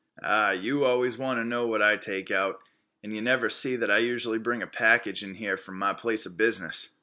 "Ah, you always want to know what I take out, and you never see that I usually bring a package in here from my place of business."